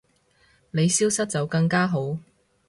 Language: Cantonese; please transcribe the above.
你消失就更加好